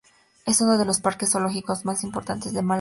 Es uno de los parques zoológicos más importantes de Malasia.